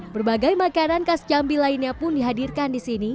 berbagai makanan khas jambi lainnya pun dihadirkan di sini